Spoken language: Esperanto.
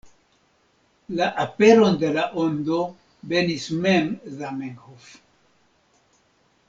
La aperon de La Ondo benis mem Zamenhof.